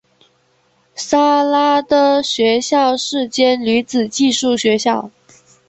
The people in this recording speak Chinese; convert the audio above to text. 莎拉的学校是间女子寄宿学校。